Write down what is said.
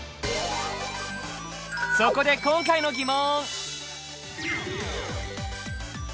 そこで今回の疑問！